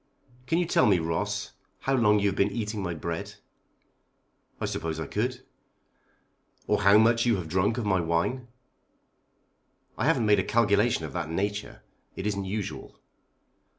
"Can you tell me, Ross, how long you have been eating my bread?" "I suppose I could." "Or how much you have drank of my wine?" "I haven't made a calculation of that nature. It isn't usual."